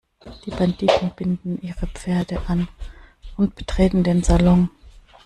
Die Banditen binden ihre Pferde an und betreten den Salon.